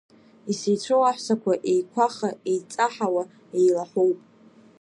Исеицәоу аҳәсақәа еиқәаха-еиҵаҳауа еилаҳәоуп.